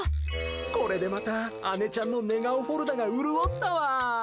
これでまた、姉ちゃんの寝顔フォルダが潤ったわ。